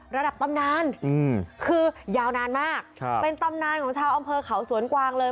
ระดับตำนานคือยาวนานมากเป็นตำนานของชาวอำเภอเขาสวนกวางเลย